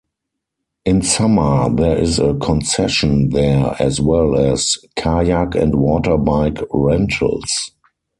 In summer, there is a concession there as well as, kayak-and-water-bike rentals.